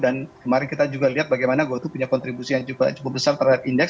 dan kemarin kita juga lihat bagaimana gotoh punya kontribusi yang juga cukup besar terhadap indeks